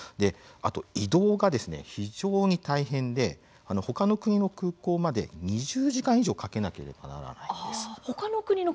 移動が非常に大変で他の国の空港まで２０時間以上かけなければならない。